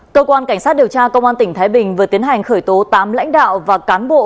cơ quan cảnh sát điều tra công an tỉnh thái bình vừa tiến hành khởi tố tám lãnh đạo và cán bộ